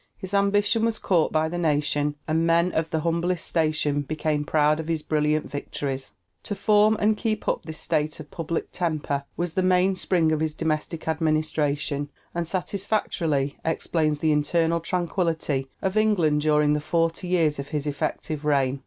His ambition was caught by the nation, and men of the humblest station became proud of his brilliant victories. To form and keep up this state of public temper was the mainspring of his domestic administration, and satisfactorily explains the internal tranquillity of England during the forty years of his effective reign.